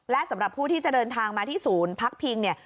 และสำหรับผู้ที่จะเดินทางมาที่ศูนย์พักพิงเนี่ย